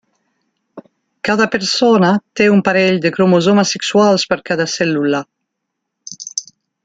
Cada persona té un parell de cromosomes sexuals per cada cèl·lula.